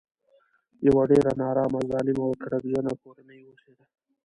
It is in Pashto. یوه ډېره نارامه ظالمه او کرکجنه کورنۍ اوسېده.